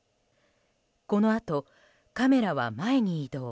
このあとカメラは前に移動。